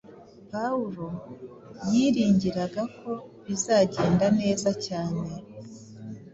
Pawulo yiringiraga ko bizagenda neza cyane,